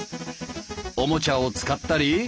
おもちゃを使ったり。